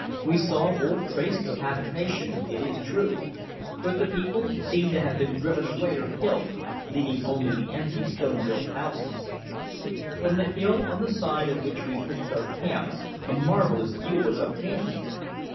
We saw old traces of habitation, it is true, but the people seemed to have been driven away or killed, leaving only the empty stone built houses. From the hill on the side of which we pitched our camp a marvellous view was obtainable.